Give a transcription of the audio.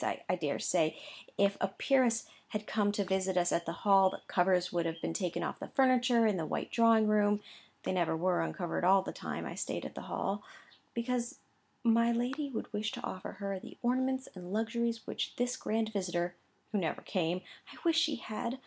I dare say, if a peeress had come to visit us at the Hall, the covers would have been taken off the furniture in the white drawing room (they never were uncovered all the time I stayed at the Hall), because my lady would wish to offer her the ornaments and luxuries which this grand visitor (who never came—I wish she had!